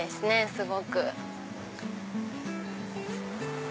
すごく。